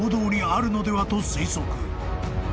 あるのではと推測］